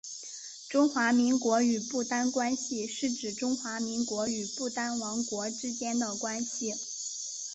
中华民国与不丹关系是指中华民国与不丹王国之间的关系。